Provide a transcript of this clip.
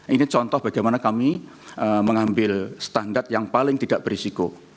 ini contoh bagaimana kami mengambil standar yang paling tidak berisiko